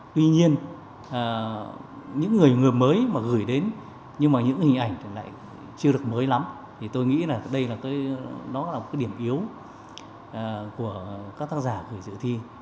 tuy nhiên những người mới mà gửi đến nhưng mà những hình ảnh lại chưa được mới lắm thì tôi nghĩ là đây là cái điểm yếu của các tác giả gửi dự thi